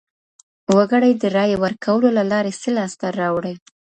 وګړي د رايې ورکولو له لاري څه لاسته راوړي؟